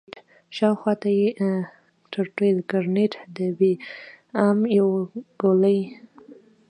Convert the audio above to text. شاوخوا ته يې ټروټيل ګرنېټ د بي ام يو ګولۍ.